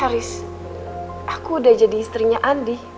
haris aku udah jadi istrinya andi